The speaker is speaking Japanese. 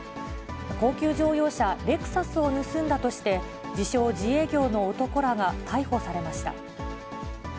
高級乗用車、レクサスを盗んだとして、自称自営業の男らが逮捕されました。